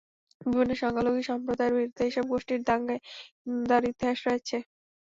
বিভিন্ন সংখ্যালঘু সম্প্রদায়ের বিরুদ্ধে এসব গোষ্ঠীর দাঙ্গায় ইন্ধন দেওয়ার ইতিহাস রয়েছে।